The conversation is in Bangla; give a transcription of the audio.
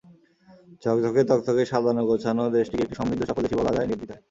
ঝকঝকে তকতকে সাজানো গোছানো দেশটিকে একটি সমৃদ্ধ, সফল দেশই বলা যায় নির্দ্বিধায়।